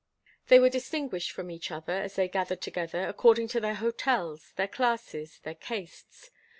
They were distinguished from each other, as they gathered together, according to their hotels, their classes, their castes.